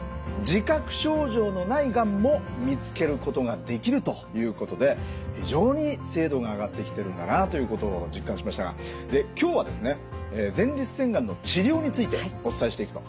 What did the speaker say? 自覚症状のないがんも見つけることができるということで非常に精度が上がってきてるんだなということを実感しましたが今日はですね前立腺がんの治療についてお伝えしていくと。